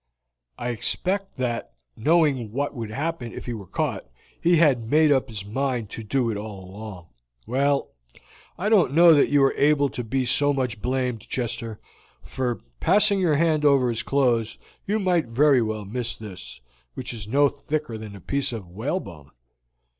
I expect that, knowing what would happen if he were caught, he had made up his mind to do it all along. Well, I don't know that you are to be so much blamed, Chester, for, passing your hand over his clothes, you might very well miss this, which is no thicker than a piece of whalebone.